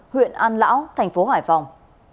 huyện an lão thành phố hải phòng